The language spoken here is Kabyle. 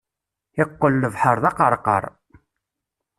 Iqqel lebḥeṛ d aqerqar.